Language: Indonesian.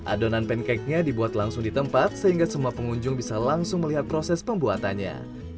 adonan pancake nya dibuat langsung di tempat sehingga semua pengunjung bisa langsung melihat proses pembuatannya